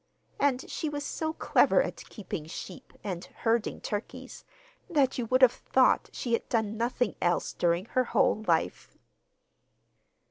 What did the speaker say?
And she was so clever at keeping sheep and herding turkeys that you would have thought she had done nothing else during her whole life!